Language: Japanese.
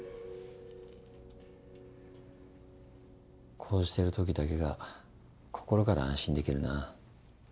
こうしてるときだけが心から安心できるな。